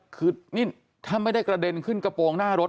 คือนี่ถ้าไม่ได้กระเด็นขึ้นกระโปรงหน้ารถ